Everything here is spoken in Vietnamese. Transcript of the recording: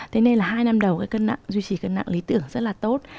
thế nên là hai năm đầu duy trì cân nặng lý tưởng rất là tốt